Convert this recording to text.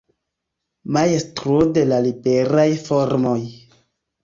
Majstro de la liberaj formoj.